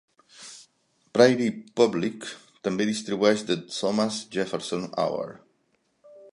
Prairie Public també distribueix "The Thomas Jefferson Hour".